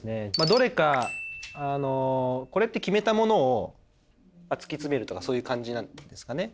どれかあのこれって決めたものを突き詰めるとかそういう感じなんですかね？